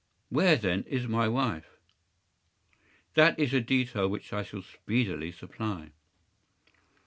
” “Where, then, is my wife?” “That is a detail which I shall speedily supply.